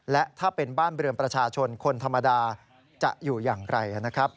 และถ้าเป็นบ้านเรือนประชาชนคนธรรมดาจะอยู่อย่างไรนะครับ